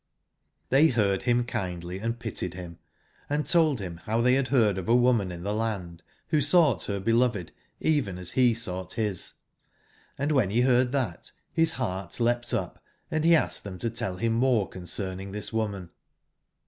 95 i HBY beard bim lundly and pitied bim, and told bim bow tbey bad beard of a woman in tbe land, wbo sougbt ber beloved even as be eougbt bis. Hnd wben be beard tbat, bis beart leapt up, and be asked tbem to tell bim more concerning tbis woman.